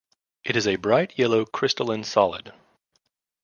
It is a bright yellow crystalline solid.